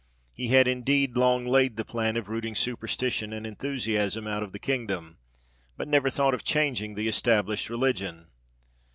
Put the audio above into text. He had, indeed, long laid the plan of rooting superstition and enthusiasm out of the king dom, but never thought of changing the established religion.